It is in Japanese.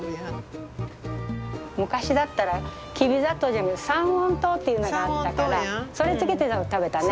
昔だったらきび砂糖じゃなく三温糖っていうのがあったからそれ付けて食べたね。